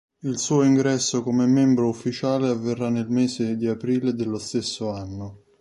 Il suo ingresso come membro ufficiale avverrà nel mese di aprile dello stesso anno.